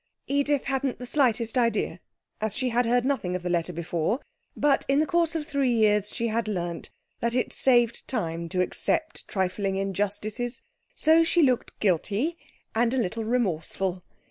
Edith hadn't the slightest idea, as she had heard nothing of the letter before, but, in the course of three years, she had learnt that it saved time to accept trifling injustices. So she looked guilty and a little remorseful.